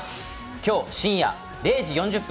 今日深夜０時４０分